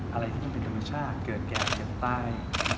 อะไรที่เป็นธรรมชาติเกิดแก้วเก็บใต้